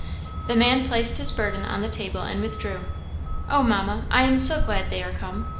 The man placed his burden on the table and withdrew. "Oh, Mamma, I am so glad they are come!